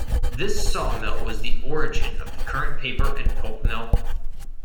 This sawmill was the origin of the current paper and pulp mill.